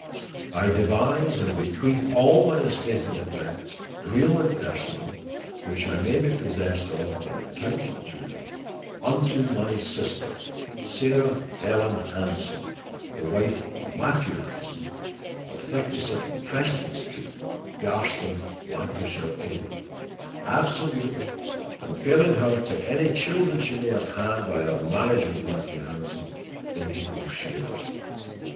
I devise and bequeath all my estate and effects, real and personal, which I may be possessed of or entitled to, unto my sister, Sarah Ellen Hanson, the wife of Matthew Hanson, of 37 Preston Street, Garston, Lancashire, England, absolutely, and failing her to any children she may have had by her marriage with Matthew Hanson, in equal shares.